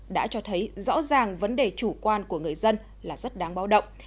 đã cho thấy rõ ràng vấn đề chủ quan của người dân là rất đáng báo động